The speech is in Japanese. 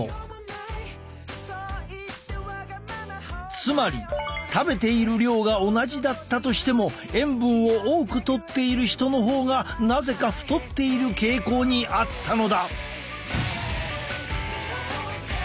つまり食べている量が同じだったとしても塩分を多くとっている人の方がなぜか太っている傾向にあったのだ。